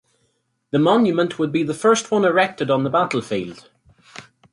The monument would be the first one erected on the battlefield.